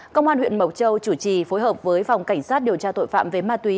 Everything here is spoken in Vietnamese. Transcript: công an huyện mộc châu chủ trì phối hợp với phòng cảnh sát điều tra tội phạm về ma túy